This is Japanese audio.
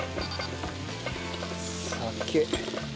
酒。